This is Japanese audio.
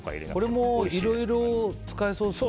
これもいろいろ使えそうですね。